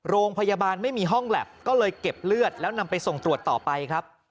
โรงพยาบาลไม่มีห้องแล็บก็เลยเก็บเลือดแล้วนำไปส่งตรวจต่อไปครับ